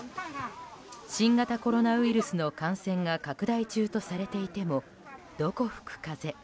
新型コロナウイルスの感染が拡大中とされていてもどこ吹く風。